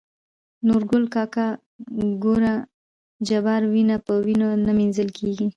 نورګل کاکا :ګوره جباره وينه په وينو نه مينځل کيږي.